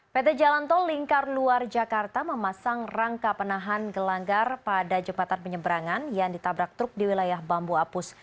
pt jalan tol lingkar luar jakarta memasang rangka penahan gelanggar pada jembatan penyeberangan yang ditabrak truk di wilayah bambu apus